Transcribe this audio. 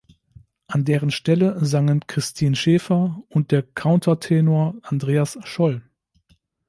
An deren Stelle sangen Christine Schäfer und der Countertenor Andreas Scholl.